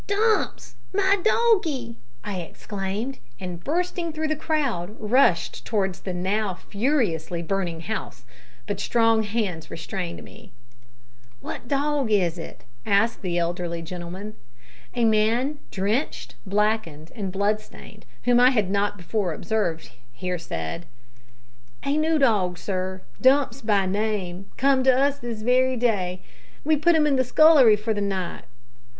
"Dumps! my doggie!" I exclaimed; and, bursting through the crowd, rushed towards the now furiously burning house, but strong hands restrained me. "What dog is it?" asked the elderly gentleman. A man, drenched, blackened, and bloodstained, whom I had not before observed, here said "A noo dog, sir, Dumps by name, come to us this wery day. We putt 'im in the scullery for the night."